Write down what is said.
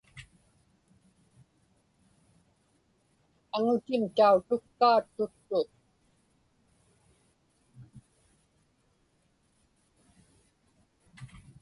Aŋutim tautukkaa tuttu.